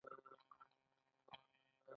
فرض کړئ یو پانګوال سل میلیونه افغانۍ لري